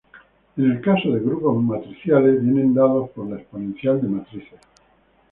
En el caso de grupos matriciales viene dado por la exponencial de matrices.